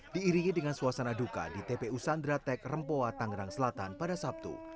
diiringi dengan suasana duka di tpu sandratek rempoa tangerang selatan pada sabtu